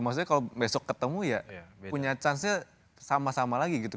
maksudnya kalau besok ketemu ya punya chance nya sama sama lagi gitu